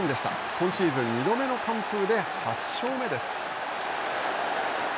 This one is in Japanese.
今シーズン、２度目の完封で８勝目です。